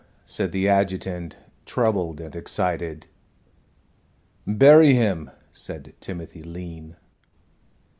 said the adjutant, troubled and excited. "Bury him," said Timothy Lean.